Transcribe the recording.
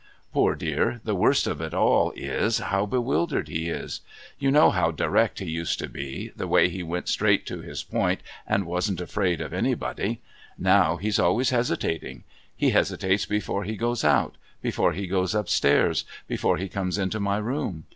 Poor dear, the worst of it all is, how bewildered he is. You know how direct he used to be, the way he went straight to his point and wasn't afraid of anybody. Now he's always hesitating. He hesitates before he goes out, before he goes upstairs, before he comes into my room.